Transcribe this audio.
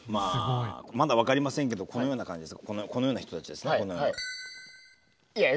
まだ分かりませんけどこのような感じです。